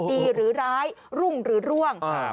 ดีหรือร้ายล่วงหรือล่วง